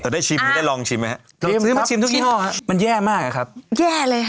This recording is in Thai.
แต่ได้ชิมได้ลองชิมไหมฮะเราซื้อมาชิมทุกยี่ห้อฮะมันแย่มากอะครับแย่เลยค่ะ